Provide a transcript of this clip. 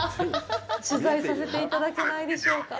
取材させていただけないでしょうか。